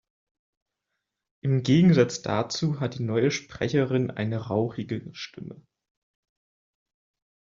Im Gegensatz dazu hat die neue Sprecherin eine rauchige Stimme.